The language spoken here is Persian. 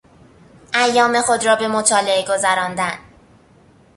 ایام خود را به مطالعه گذراندن